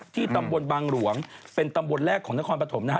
ตำบลบางหลวงเป็นตำบลแรกของนครปฐมนะฮะ